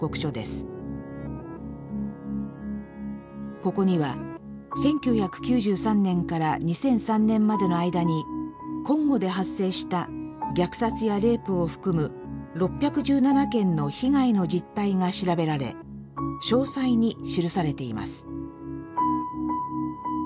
ここには１９９３年から２００３年までの間にコンゴで発生した虐殺やレイプを含む６１７件の被害の実態が調べられ詳細に記されています。